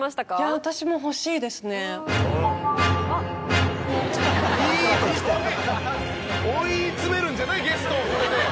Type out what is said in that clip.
いい追い詰めるんじゃないゲストをこれで。